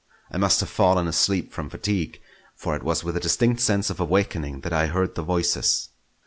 I must have fallen asleep from fatigue, for it was with a distinct sense of awakening that I heard the voices.